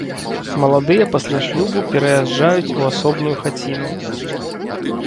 Маладыя пасля шлюбу пераязджаюць у асобную хаціну.